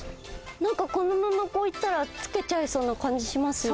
このまま、こう行ったら着けちゃいそうな感じしますね。